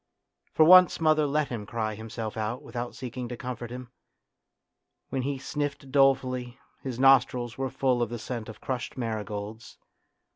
For once mother let him cry himself out without seeking to comfort him ; when he sniffed dolefully, his nostrils were full of the scent of crushed marigolds.